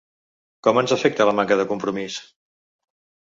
Com ens afecta la manca de compromís?